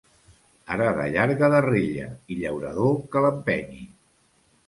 Arada llarga de rella i llaurador que l'empenyi.